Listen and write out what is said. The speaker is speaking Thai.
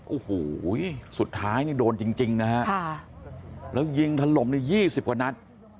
โอ้โหสุดท้ายนี่โดนจริงนะฮะแล้วยิงถล่มใน๒๐กว่านัด